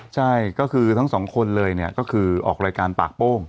ใช่ก็คือทั้งสองคนเลยเนี่ยก็คือออกรายการปากโป้ง